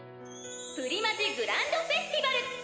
プリマジグランドフェスティバル！